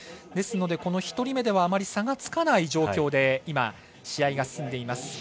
ですので、１人目ではあまり差がつかない状況で今試合が進んでいます。